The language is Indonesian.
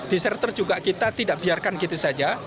di shelter juga kita tidak biarkan gitu saja